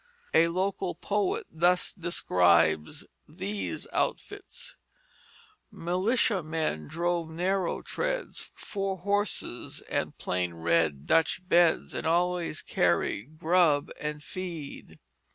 A local poet thus describes these outfits: "Militia men drove narrow treads, Four horses and plain red Dutch beds, And always carried grub and feed."